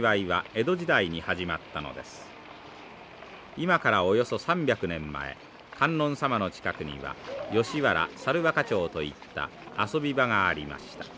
今からおよそ３００年前観音さまの近くには吉原猿若町といった遊び場がありました。